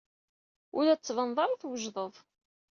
Ur la d-tettbaneḍ ara twejdeḍ.